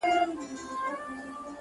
چي چي د زړه په دروازې راته راوبهيدې’